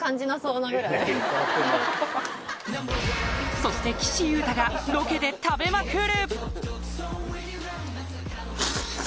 そして岸優太がロケで食べまくる！